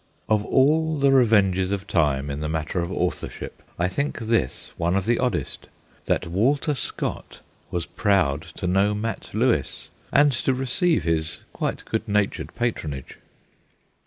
Of all the revenges of time in the matter of authorship I think this one of the oddest that Walter Scott was proud to know Mat Lewis, and to receive his quite good natured patronage.